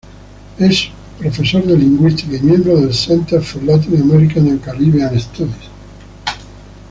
Es profesor de lingüística y miembro del "Center for Latin American and Caribbean Studies".